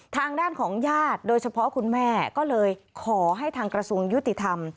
ทางด้านของญาติโดยเฉพาะคุณแม่ก็เลยขอให้ทางกระทรวงยุติธรรม